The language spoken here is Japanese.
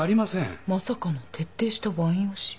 まさかの徹底したワイン推し？